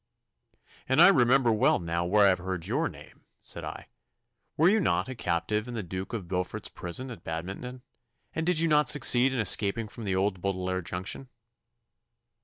'And I remember well now where I have heard your name,' said I. 'Were you not a captive in the Duke of Beaufort's prison at Badminton, and did you not succeed in escaping from the old Boteler dungeon?